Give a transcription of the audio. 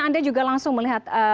anda juga langsung melihat